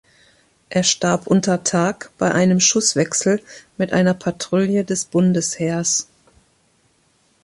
Er starb unter Tag bei einem Schusswechsel mit einer Patrouille des Bundesheers.